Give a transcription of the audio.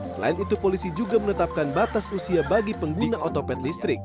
selain itu polisi juga menetapkan batas usia bagi pengguna otopet listrik